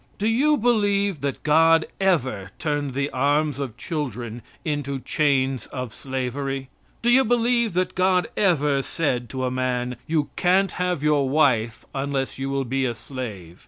Do you believe that God ever turned the arms of children into chains of slavery? Do you believe that God ever said to a man: "You can't have your wife unless you will be a slave?